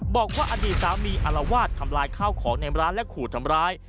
บอกว่าอดีตสามีอารวาสทำลายข้าวของในร้านและขู่ทำร้าย